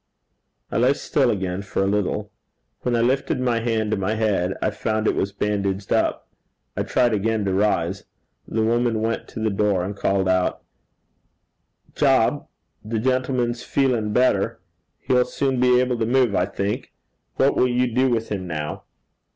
I lay still again for a little. When I lifted my hand to my head, I found it was bandaged up. I tried again to rise. The woman went to the door, and called out, 'Job, the gentleman's feelin' better. He'll soon be able to move, I think. What will you do with him now?'